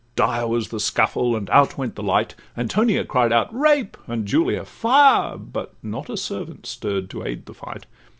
Dire was the scuffle, and out went the light; Antonia cried out 'Rape!' and Julia 'Fire!' But not a servant stirr'd to aid the fight.